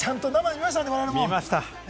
見ました。